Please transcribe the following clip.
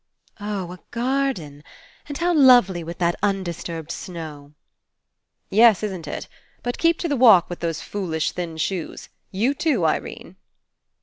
"Oh, a garden! And how lovely with that undisturbed snow I" "Yes, Isn't It? But keep to the walk with those foolish thin shoes. You too, Irene."